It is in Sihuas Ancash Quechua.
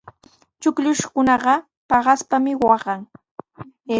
Chullukshaykunaqa paqaspami waqan.